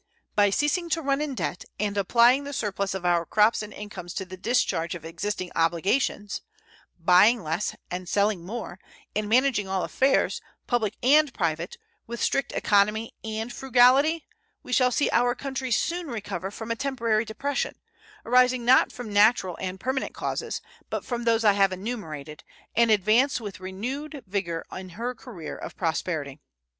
By ceasing to run in debt and applying the surplus of our crops and incomes to the discharge of existing obligations, buying less and selling more, and managing all affairs, public and private, with strict economy and frugality, we shall see our country soon recover from a temporary depression, arising not from natural and permanent causes, but from those I have enumerated, and advance with renewed vigor in her career of prosperity.